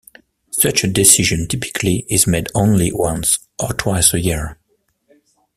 Such a decision typically is made only once or twice a year.